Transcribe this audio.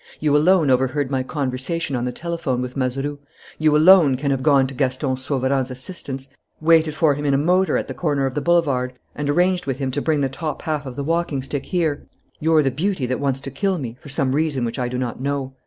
You alone overheard my conversation on the telephone with Mazeroux, you alone can have gone to Gaston Sauverand's assistance, waited for him in a motor at the corner of the boulevard, and arranged with him to bring the top half of the walking stick here. You're the beauty that wants to kill me, for some reason which I do not know.